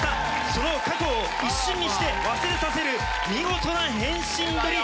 その過去を一瞬にして忘れさせる見事な変身ぶり。